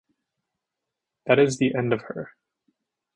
That is the end of her.